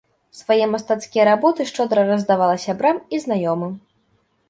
Свае мастацкія работы шчодра раздавала сябрам і знаёмым.